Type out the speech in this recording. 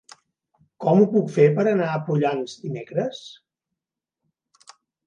Com ho puc fer per anar a Prullans dimecres?